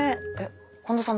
近藤さん